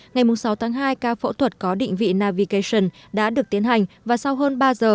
ngày sáu tháng hai ca phẫu thuật có định vị navigation đã được tiến hành và sau hơn ba giờ